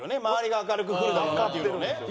周りが明るくくるだろうなっていうのをね。